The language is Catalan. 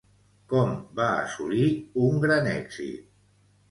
Com va assolir un gran èxit?